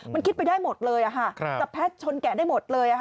มันคิดไปได้หมดเลยจะแพ็คชนแกะได้หมดเลย